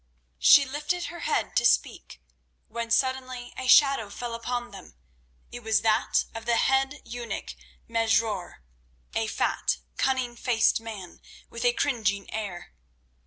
She lifted her head to speak, when suddenly a shadow fell upon them. It was that of the head eunuch, Mesrour, a fat, cunning faced man, with a cringing air.